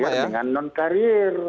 antara karir dengan non karir